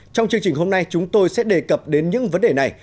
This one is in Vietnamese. trong chương trình hôm nay chúng tôi sẽ đề cập đến những vấn đề này